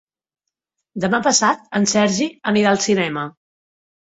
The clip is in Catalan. Demà passat en Sergi anirà al cinema.